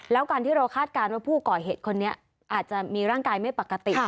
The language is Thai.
แล้วการที่เราคาดการณ์ว่าผู้ก่อเหตุคนนี้อาจจะมีร่างกายไม่ปกติ